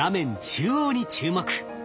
中央に注目。